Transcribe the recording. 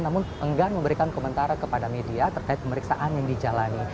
namun enggan memberikan komentar kepada media terkait pemeriksaan yang dijalani